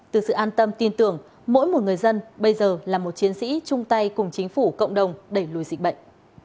từ sự an tâm tin tưởng mỗi một người dân bây giờ là một chiến sĩ chung tay cùng chính phủ cộng đồng đẩy lùi dịch bệnh